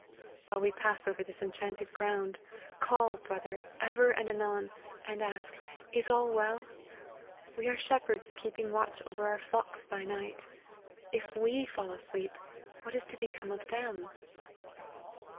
While we pass over this enchanted ground, call, brother, ever and anon, and ask ' is all well ?' We are shepherds keeping watch over our flocks by night : if we fall asleep what is to become of them